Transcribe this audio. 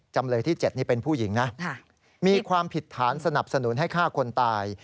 จำเลยที่๗นี่เป็นผู้หญิงนะมีความผิดฐานสนับสนุนให้ฆ่าคนตาย